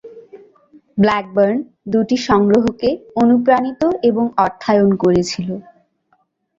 Blackburn দুটি সংগ্রহকে অনুপ্রাণিত এবং অর্থায়ন করেছিল।